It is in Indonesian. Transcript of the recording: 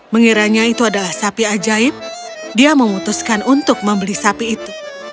mengiranya itu adalah sapi ajaib dia memutuskan untuk membeli sapi itu